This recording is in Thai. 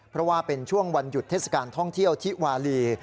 เพราะว่าเป็นช่วงวันหยุดเทศกาลท่องเที่ยวทิวาลี